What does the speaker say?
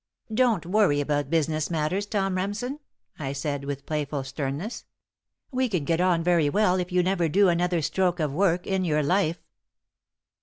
"Don't worry about business matters, Tom Remsen," I said, with playful sternness. "We can get on very well if you never do another stroke of work in your life."